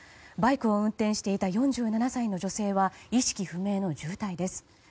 バイクを運転していた４７歳の女性は意識不明の重体です。